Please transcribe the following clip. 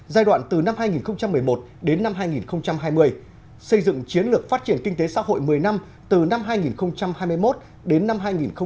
giai đoạn từ năm hai nghìn một mươi một đến năm hai nghìn hai mươi xây dựng chiến lược phát triển kinh tế xã hội một mươi năm từ năm hai nghìn hai mươi một đến năm hai nghìn ba mươi